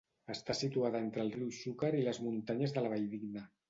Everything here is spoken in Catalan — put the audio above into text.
Està situada entre el riu Xúquer i les muntanyes de la Valldigna.